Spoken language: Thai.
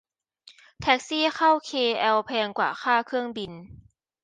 แท็กซี่เข้าเคแอลแพงกว่าค่าเครื่องบิน